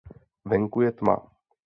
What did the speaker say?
Venku je tma.